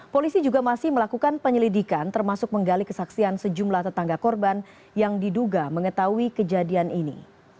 polisi juga masih melakukan penyelidikan termasuk menggali kesaksian sejumlah tetangga korban yang diduga mengetahui kejadian ini